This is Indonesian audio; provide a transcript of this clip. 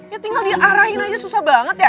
ya tinggal diarahin aja susah banget ya